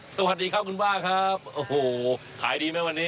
สวัสดีครับคุณป้าครับโอ้โหขายดีไหมวันนี้